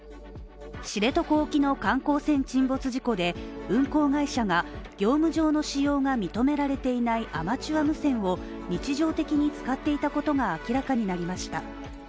知床沖の観光船沈没事故で運航会社が業務上の使用が認められていないアマチュア無線を日常的に使っていたことが明らかになりました。